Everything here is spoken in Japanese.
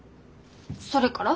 それから？